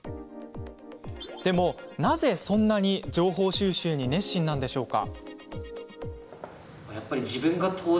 でも、なぜそんなに情報収集に熱心なのでしょうか？